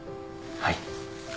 はい。